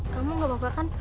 kamu gak apa apa kan